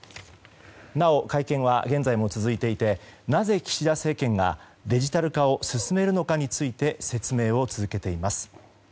なお会見は現在も続いていてなぜ岸田政権がデジタル化を進めるのかについて説明を続けています。